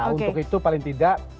untuk itu paling tidak